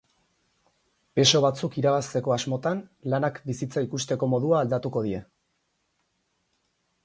Peso batzuk irabazteko asmotan, lanak bizitza ikusteko modua aldatuko die.